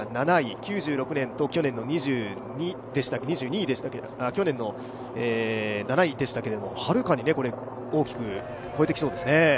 ９６年と去年の７位でしたけれども、はるかに大きく超えてきそうですね。